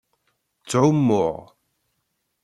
Ttɛummuɣ.